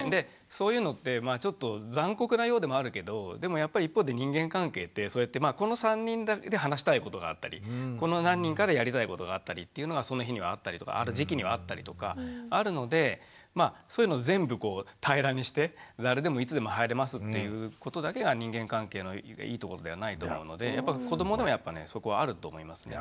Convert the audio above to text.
そういうのってまあちょっと残酷なようでもあるけどでもやっぱり一方で人間関係ってこの３人だけで話したいことがあったりこの何人かでやりたいことがあったりというのがその日にはあったりとかある時期にはあったりとかあるのでまあそういうのを全部平らにして誰でもいつでも入れますっていうことだけが人間関係のいいところではないと思うので子どもでもやっぱねそこはあると思いますね。